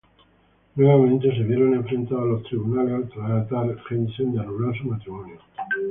Nuevamente se vieron enfrentadas a los tribunales al tratar Jensen de anular su matrimonio.